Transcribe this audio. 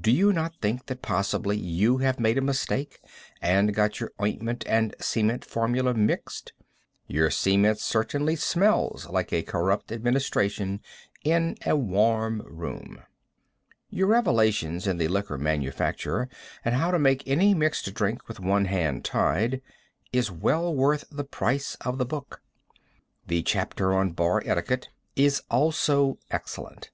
Do you not think that possibly you have made a mistake and got your ointment and cement formula mixed? Your cement certainly smells like a corrupt administration in a warm room. Your revelations in the liquor manufacture, and how to make any mixed drink with one hand tied, is well worth the price of the book. The chapter on bar etiquette is also excellent.